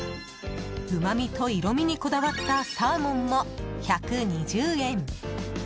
うまみと色味にこだわったサーモンも、１２０円。